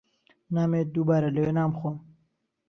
نامەوێت دووبارە لەوێ نان بخۆم.